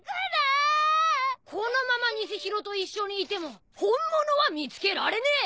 このまま偽宙と一緒にいても本物は見つけられねえ！